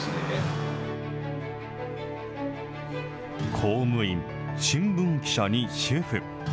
公務員、新聞記者に主婦。